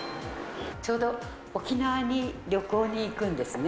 ちょうど沖縄に旅行に行くんですね。